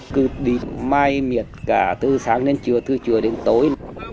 cứ đi mai miệt cả từ sáng đến trưa từ trưa đến tối